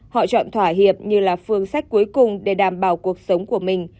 họ chọn thỏa hiệp như là phương sách cuối cùng để đảm bảo cuộc sống của mình